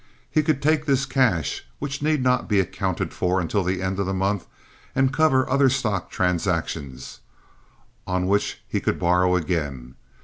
He could take this cash, which need not be accounted for until the end of the month, and cover other stock transactions, on which he could borrow again.